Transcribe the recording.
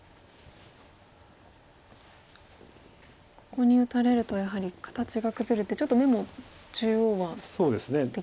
ここに打たれるとやはり形が崩れてちょっと眼も中央はできないですね。